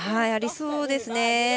ありそうですね。